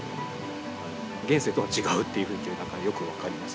現世とは違うという雰囲気がよく分かります。